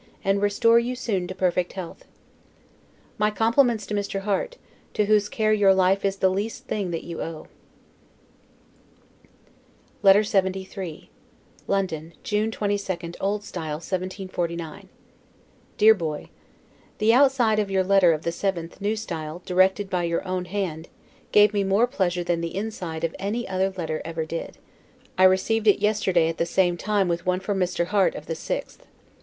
and restore you soon to perfect health! My compliments to Mr. Harte; to whose care your life is the least thing that you owe. LETTER LXXIII LONDON, June 22, O. S. 1749. DEAR BOY: The outside of your letter of the 7th N. S., directed by your own hand, gave me more pleasure than the inside of any other letter ever did. I received it yesterday at the same time with one from Mr. Harts of the 6th.